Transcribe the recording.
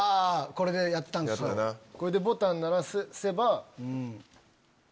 これでボタン鳴らせば。